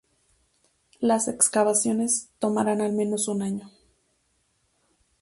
Las excavaciones tomarán al menos un año.